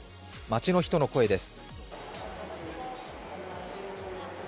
街の人の声です。